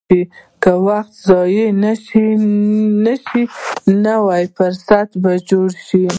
که وخت ضایع نه شي، نو فرصت به جوړ شي.